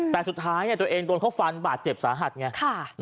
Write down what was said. แต่สุดท้ายตัวเองโดนเขาฟันบาดเจ็บสาหัสไง